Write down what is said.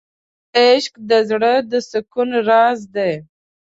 عشق د زړه د سکون راز دی.